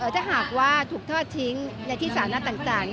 ถ้าหากว่าถูกทอดทิ้งในที่สาธารณะต่าง